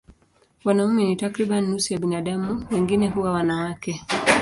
Wanaume ni takriban nusu ya binadamu, wengine huwa wanawake.